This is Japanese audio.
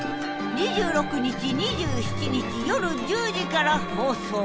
２６日２７日夜１０時から放送。